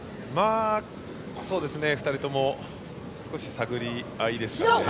２人とも少し探り合いですかね。